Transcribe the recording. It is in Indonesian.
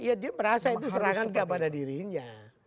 ya dia merasa itu serangan kepada dirinya